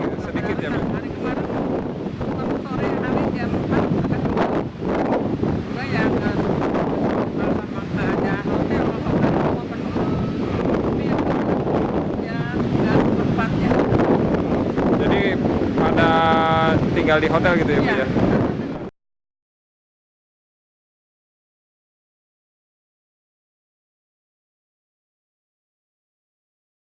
yang terbesar lagi kemarin jam tiga belas tiga belas menghantar beberapa warung tempat usaha balai balai juga yang berada di kita kita